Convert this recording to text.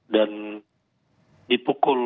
dan di pukul enam belas dua puluh dua